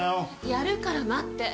やるから待って。